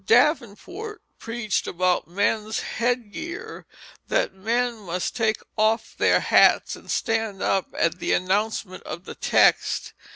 Davenport preached about men's head gear, that men must take off their hats, and stand up at the announcement of the text.